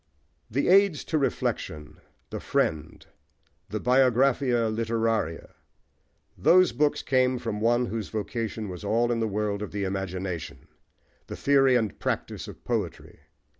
The Aids to Reflection, The Friend, The Biographia Literaria: those books came from one whose vocation was in the world of the imagination, the theory and practice of poetry.